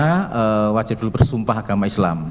keterangan saudara wajib bersumpah agama islam